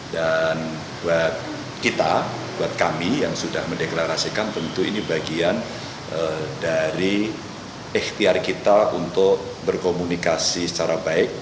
dan buat kita buat kami yang sudah mendeklarasikan tentu ini bagian dari ikhtiar kita untuk berkomunikasi secara baik